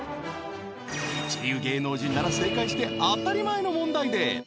一流芸能人なら正解して当たり前の問題で